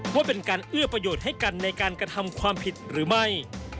ว่าเป็นการเอื้อประโยชน์ให้กันในการกระทำความผิดหรือไม่